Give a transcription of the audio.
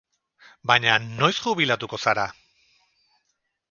Baina, noiz jubilatuko zara?